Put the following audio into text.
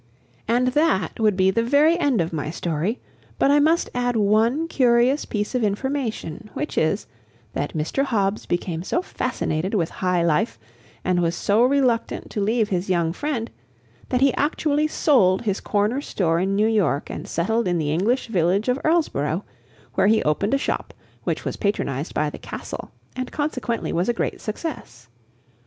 And that would be the very end of my story; but I must add one curious piece of information, which is that Mr. Hobbs became so fascinated with high life and was so reluctant to leave his young friend that he actually sold his corner store in New York, and settled in the English village of Erlesboro, where he opened a shop which was patronized by the Castle and consequently was a great success.